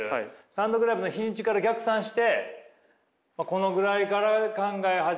単独ライブの日にちから逆算してこのぐらいから考え始めよう。